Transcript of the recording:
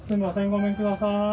ごめんくださーい。